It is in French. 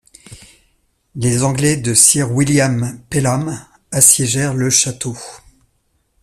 Les Anglais de Sir William Pellham assiégèrent le château.